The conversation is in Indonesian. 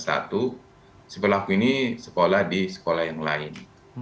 jadi pelaku ini sekolah di sekolah yang lain